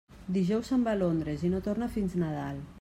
Dijous se'n va a Londres i no torna fins Nadal.